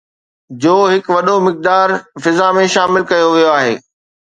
جو هڪ وڏو مقدار فضا ۾ شامل ڪيو ويو آهي